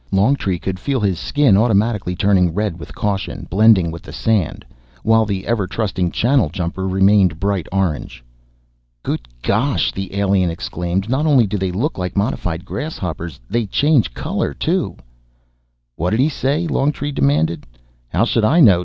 Longtree could feel his skin automatically turning red with caution, blending with the sand while the ever trusting Channeljumper remained bright orange. "Good gosh," the alien exclaimed. "Not only do they look like modified grasshoppers, they change color too!" "What'd he say?" Longtree demanded. "How should I know?"